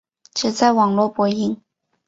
只在网络播映。